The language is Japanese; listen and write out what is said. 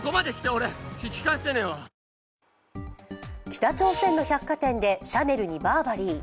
北朝鮮の百貨店でシャネルにバーバリー。